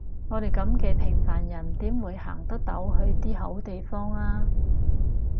我哋噉嘅平凡人點會行得到去啲好地方呀？